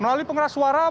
mereka mengambil aksi